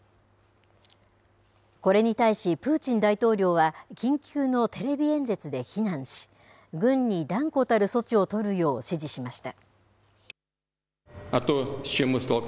これに対しプーチン大統領は、緊急のテレビ演説で非難し、軍に断固たる措置を取るよう指示しました。